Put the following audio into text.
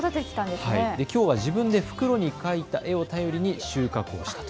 きょうは自分で袋に描いた絵を頼りに収穫をしたと。